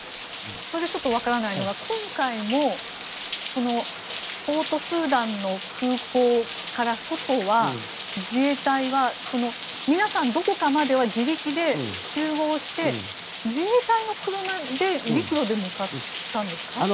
それでちょっとわからないのが今回もポートスーダンの空港から外は自衛隊は皆さん、どこかまでは自力で集合して自衛隊の車で陸路で向かったんですか？